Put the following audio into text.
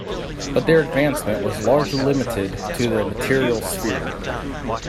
But their advancement was largely limited to the material sphere.